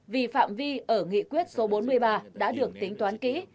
vì phạm vi ở nghị quyết số bốn mươi ba đã được tính toán kỹ